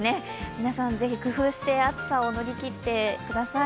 皆さん、是非、工夫して暑さを乗り切ってください。